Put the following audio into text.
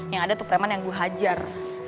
yang ada tuh preman yang gue hajar